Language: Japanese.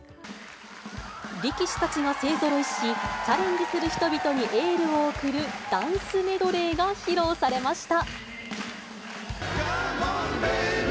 力士たちが勢ぞろいし、チャレンジする人々にエールを送るダンスメドレーが披露されました。